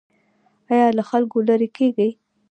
ایا له خلکو لرې کیږئ؟